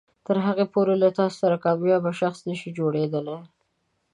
تر هغې پورې له تاسو کاميابه شخص نشي جوړیدلی